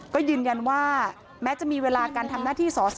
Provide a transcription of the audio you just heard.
ก็ยืนยันว่าแม้จะมีเวลาการทำหน้าที่สอสอ